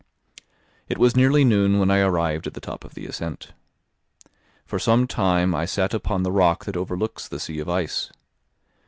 It was nearly noon when I arrived at the top of the ascent. For some time I sat upon the rock that overlooks the sea of ice.